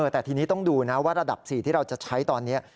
แต่ทีนี้ต้องดูนะว่าระดับ๔ที่เราจะใช้ตอนนี้